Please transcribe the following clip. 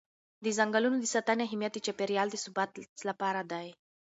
د ځنګلونو د ساتنې اهمیت د چاپېر یال د ثبات لپاره دی.